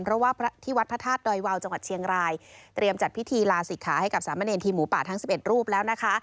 เพราะว่าที่วัดพระธาตุดอยวาวจังหวัดเชียงรายเตรียมจัดพิธีลาศิกขาให้กับสามเณรทีมหมูป่าทั้ง๑๑รูปแล้วนะคะ